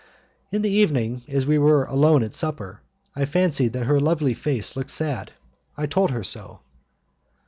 In the evening, as we were alone at supper, I fancied that her lovely face looked sad. I told her so.